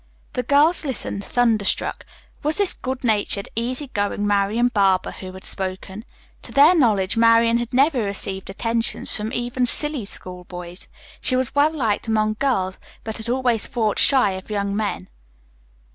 The girls listened, thunderstruck. Was this good natured, easy going Marian Barber who had spoken? To their knowledge Marian had never before received attentions from even "silly schoolboys." She was well liked among girls, but had always fought shy of young men.